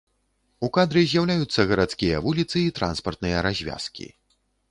У кадры з'яўляюцца гарадскія вуліцы і транспартныя развязкі.